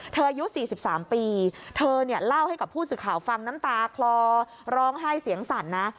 อายุ๔๓ปีเธอเนี่ยเล่าให้กับผู้สื่อข่าวฟังน้ำตาคลอร้องไห้เสียงสั่นนะ